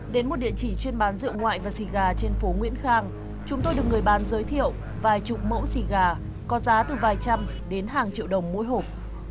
đến một địa chỉ chuyên bán rượu ngoại và xịt gà trên phố nguyễn khang chúng tôi được người bán giới thiệu vài chục mẫu xì gà có giá từ vài trăm đến hàng triệu đồng mỗi hộp